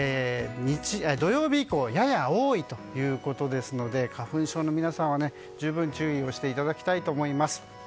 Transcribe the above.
土曜日以降、やや多いということなので花粉症の皆さんは十分注意をしていただきたいと思います。